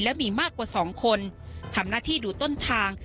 และมีมากกว่า๒คนทำหน้าที่ดูต้นทาง